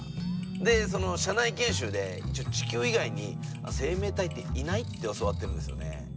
でその社内研修で地球以外に生命体っていないって教わってるんですよね。